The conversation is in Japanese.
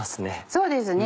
そうですね